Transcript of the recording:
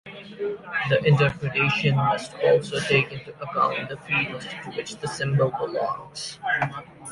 The interpretation must also take into account the field to which the symbol belongs.